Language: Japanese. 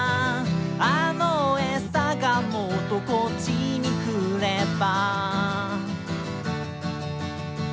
「あの餌がもっとこっちに来れば」